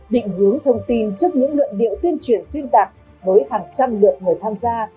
định hướng thông tin trước những luận điệu tuyên truyền xuyên tạc với hàng trăm lượt người tham gia